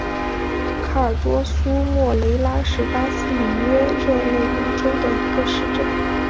卡尔多苏莫雷拉是巴西里约热内卢州的一个市镇。